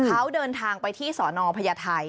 เขาเดินทางไปที่สนพญาไทย